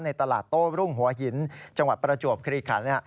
ตลาดโต้รุ่งหัวหินจังหวัดประจวบคลีขัน